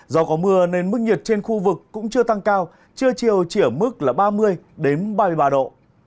do có mưa nên mức nhiệt trên khu vực cũng chưa tăng cao trưa chiều chỉ ở mức là ba mươi ba mươi ba độ